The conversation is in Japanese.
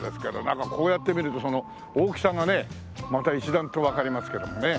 なんかこうやって見るとその大きさがねまた一段とわかりますけどもね。